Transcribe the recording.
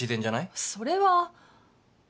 それは。